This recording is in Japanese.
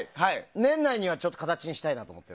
年内にはちょっと形にしたいなと。